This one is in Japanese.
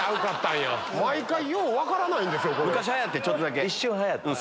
毎回よう分からないんですよ。